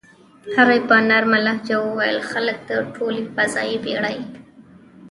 هغې په نرمه لهجه وویل: "خلک د ټولې فضايي بېړۍ.